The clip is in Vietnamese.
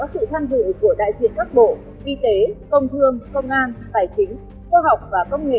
các đại biểu tham dự hội thảo chống mại